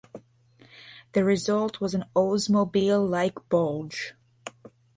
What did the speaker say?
The result was an Oldsmobile-like "bulge".